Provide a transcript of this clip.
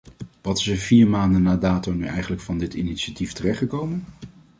Wat is er vier maanden na dato nu eigenlijk van dit initiatief terechtgekomen?